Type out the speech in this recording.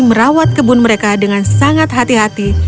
merawat kebun mereka dengan sangat hati hati